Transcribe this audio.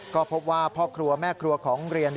ก็พบว่าพ่อครัวแม่ครัวของเรียน